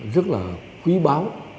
rất là quý báo